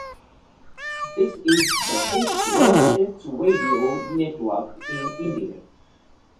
This is the fifth largest radio network in India.